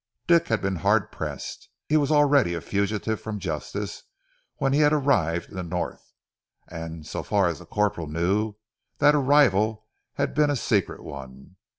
Dick had been hard pressed. He was already a fugitive from justice when he had arrived in the North and, so far as the corporal knew, that arrival had been a secret one.